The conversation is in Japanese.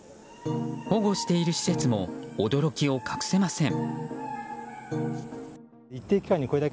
保護している施設も驚きを隠せません。